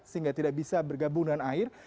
sehingga tidak bisa bergabung dengan air